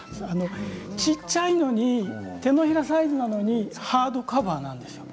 小っちゃいのに手のひらサイズなのにハードカバーなんですよ。